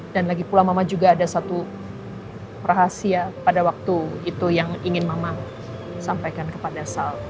dan lagi pula mama juga ada satu rahasia pada waktu itu yang ingin mama sampaikan kepada sal